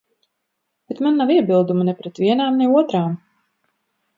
Bet man nav iebildumu ne pret vienām, ne otrām.